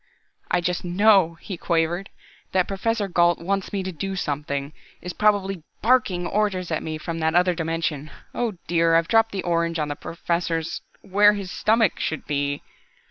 "I just know," he quavered, "that Professor Gault wants me to do something, is probably barking orders at me from that other dimension oh dear, I've dropped the orange on the Professor's where his stomach should be!"